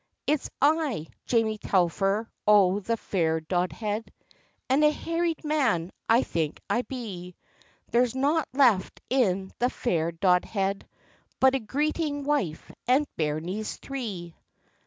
"It's I, Jamie Telfer o' the fair Dodhead, And a harried man I think I be! There's nought left in the fair Dodhead, But a greeting wife and bairnies three."